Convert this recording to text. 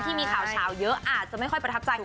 ที่มีข่าวเฉาเยอะอาจจะไม่ค่อยประทับใจ